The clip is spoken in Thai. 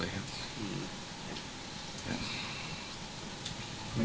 อืม